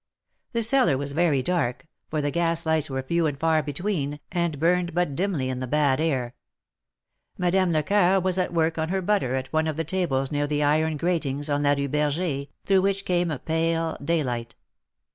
The cellar was very dark, for the gas lights were few and far between, and burned but dimly in the bad air. Madame Lecoeur was at work on her butter at one of the tables near the iron gratings on la Rue Berger, through which came a pale daylight.